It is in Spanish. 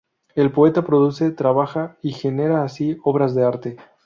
El poeta produce, trabaja, y genera así obras de arte.